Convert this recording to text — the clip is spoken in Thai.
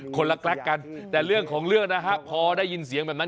คนละแกรกกันแต่เรื่องของเรื่องนะฮะพอได้ยินเสียงแบบนั้น